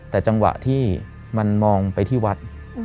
แต่จังหวะที่มันมองไปที่วัด